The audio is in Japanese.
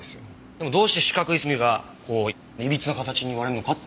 でもどうして四角い墨がこういびつな形に割れるのかっていうのがちょっと。